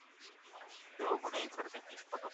د يتيمانو په سر لاس راکشول ډير ارزښت لري.